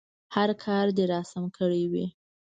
هر کار دې راسم کړی وي.